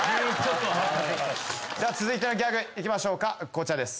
続いてのギャグ行きましょうかこちらです。